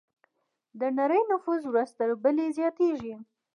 د نړۍ نفوس ورځ تر بلې زیاتېږي.